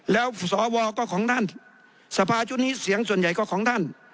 แล้วสวก็ของท่านสภาชุดนี้เสียงส่วนใหญ่ก็ของท่าน